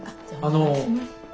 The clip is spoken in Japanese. あの。